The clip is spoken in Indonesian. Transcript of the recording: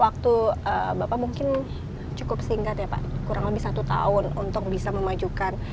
waktu bapak mungkin cukup singkat ya pak kurang lebih satu tahun untuk bisa memajukan